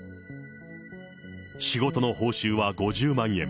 仕事の報酬は５０万円。